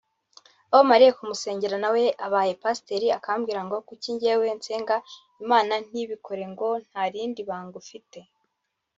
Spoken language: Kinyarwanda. aho bamariye kumusengera nawe abaye pasiteri akambwira ngo kuki njyewe nsenga Imana ntibikore ngo nta rindi banga ufite